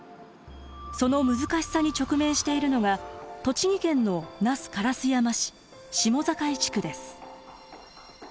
その難しさに直面しているのが栃木県の那須烏山市下境地区です。